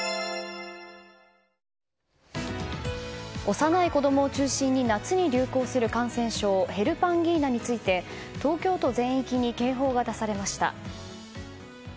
幼い子供を中心に夏に流行する感染症ヘルパンギーナについて東京都全域に警報が出されました。